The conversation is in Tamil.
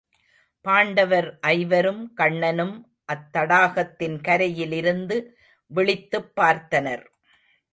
பாண்டவர் ஐவரும் கண்ணனும் அத்தடாகத்தின் கரையிலிருந்து விளித்துப் பார்த்தனர்.